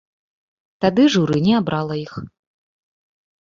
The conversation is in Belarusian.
Тады журы не абрала іх.